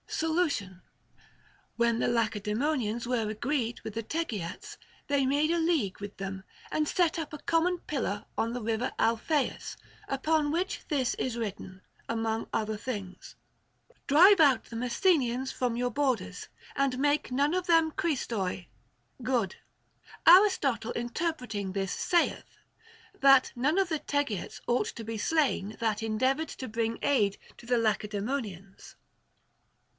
Solution. When the Lacedaemonians were agreed with the Tegeats, they made a league with them, and set up a common pillar on the river Alpheus, upon which this is written, among other things, " Drive out the Messenians from your borders, and make none of them χρηστοί, good." Aristotle interpreting this saith, that none of the Tegeats ought to be slain that endeavored to bring aid to the Lacedaemonians.